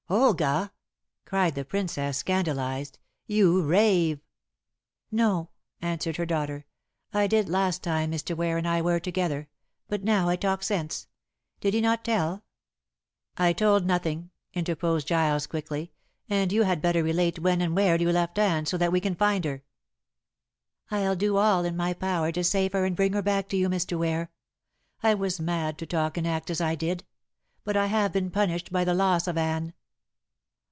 "Olga!" cried the Princess, scandalized, "you rave!" "No," answered her daughter; "I did last time Mr. Ware and I were together, but now I talk sense. Did he not tell?" "I told nothing," interposed Giles quickly; "and you had better relate when and where you left Anne, so that we can find her." "I'll do all in my power to save her and bring her back to you, Mr. Ware. I was mad to talk and act as I did; but I have been punished by the loss of Anne."